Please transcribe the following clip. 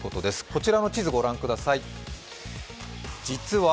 こちらの地図、ご覧ください。